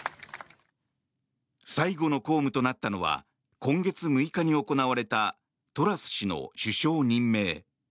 最後の公務となったのは今月６日に行われたトラス氏の首相任命。